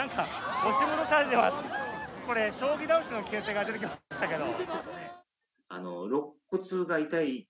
これ将棋倒しの危険性が出てきましたけど。